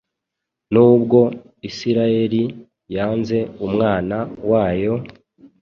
Nubwo Isirayeli yanze Umwana wayo,